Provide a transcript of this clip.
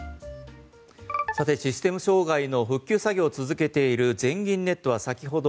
さてシステム障害の復旧作業を続けている全銀ネットは、先ほど